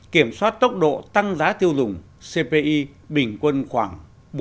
kiểm soát tốc độ tăng giá tiêu dùng cpi bình quân khoảng